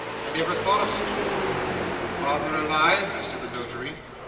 'I never thought of such a thing.' 'Father alive?' said the Notary.